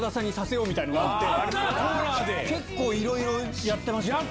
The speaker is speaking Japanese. いろいろやってましたよ。